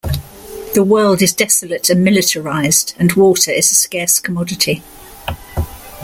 The world is desolate and militarized, and water is a scarce commodity.